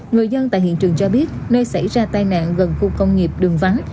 người dân tại hiện trường cho biết nơi xảy ra tai nạn gần khu công nghiệp đường vắng